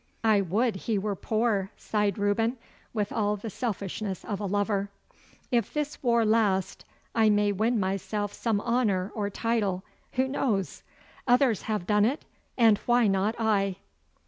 'I would he were poor!' sighed Reuben, with all the selfishness of a lover. 'If this war last I may win myself some honour or title. Who knows? Others have done it, and why not I!